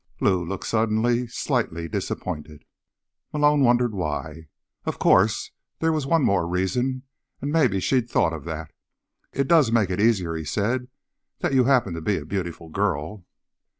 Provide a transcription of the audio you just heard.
Lou looked suddenly slightly disappointed. Malone wondered why. Of course, there was one more reason, and maybe she'd thought of that. "It does make it easier," he said, "that you happen to be a beautiful girl."